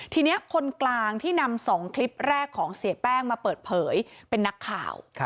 ทีนี้คนกลางที่นำ๒คลิปแรกของเสียแป้งมาเปิดเผยเป็นนักข่าว